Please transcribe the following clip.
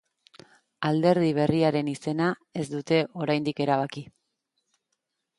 Alderdi berriaren izena ez dute oraindik erabaki.